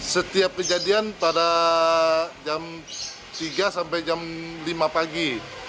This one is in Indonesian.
setiap kejadian pada jam tiga sampai jam lima pagi